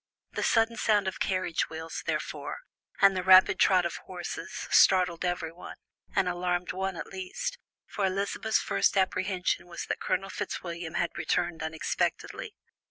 The sudden sound of carriage wheels, therefore, and the rapid trot of horses, startled everyone, and alarmed one at least, for Elizabeth's first apprehension was that Colonel Fitzwilliam had returned unexpectedly.